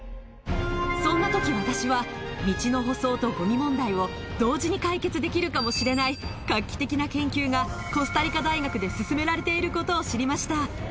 そんなとき、私は道の舗装とごみ問題を同時に解決できるかもしれない画期的な研究がコスタリカ大学で進められていることを知りました。